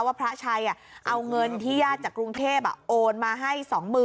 พระชัยเอาเงินที่ญาติจากกรุงเทพโอนมาให้๒๐๐๐